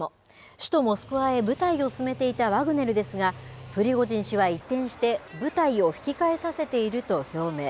首都モスクワへ部隊を進めていたワグネルですが、プリゴジン氏は一転して、部隊を引き返させていると表明。